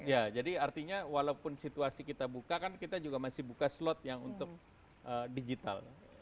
ya jadi artinya walaupun situasi kita buka kan kita juga masih buka slot yang untuk digital